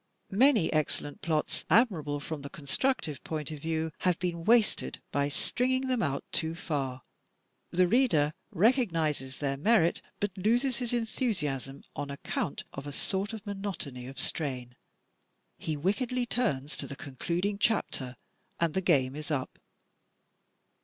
Many excellent plots, admirable from the constructive point of view, have been wasted by stringing them out too far; the reader recognizes their merit, but loses his enthusiasm on account of a sort of monotony of strain; he wickedly turns to the concluding chapter, and the game is up.